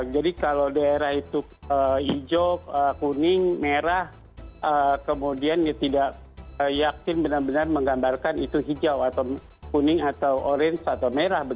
jadi kalau daerah itu hijau kuning merah kemudian tidak yakin benar benar menggambarkan itu hijau kuning orange atau merah